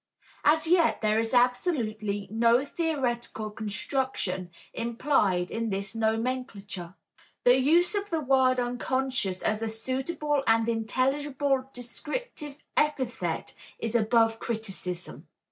As yet there is absolutely no theoretical construction implied in this nomenclature. The use of the word unconscious as a suitable and intelligible descriptive epithet is above criticism.